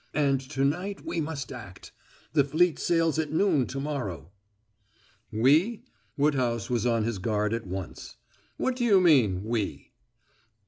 "And to night we must act. The fleet sails at noon to morrow." "We?" Woodhouse was on his guard at once. "What do you mean by 'we'?"